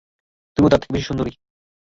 তুমি তার থেকেও বেশি সুন্দরী।